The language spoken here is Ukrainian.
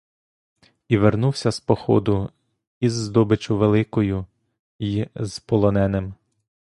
І вернувся з походу із здобиччю великою й з полоненими.